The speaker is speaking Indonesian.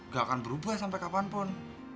gak akan berubah sampai kapanpun